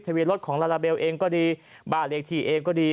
เบียนรถของลาลาเบลเองก็ดีบ้านเลขที่เองก็ดี